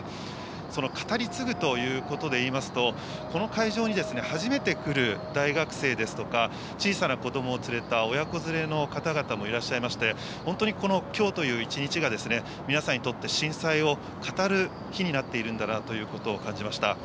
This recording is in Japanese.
その語り継ぐということでいいますと、この会場に初めて来る大学生ですとか、小さな子どもを連れた親子連れの方々もいらっしゃいまして、本当にこのきょうという一日が、皆さんにとって震災を語る日になっているんだなということを感じました。